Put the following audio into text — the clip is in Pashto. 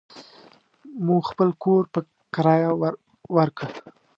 مو خپل کور په کريه وارکه.